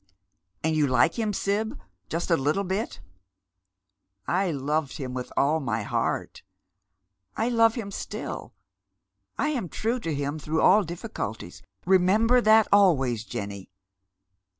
" And you like him. Sib— just a little bit ?"" I loved him with all my heart — I love him still — I am true to him through all difficulties. Remember that always, Jenny."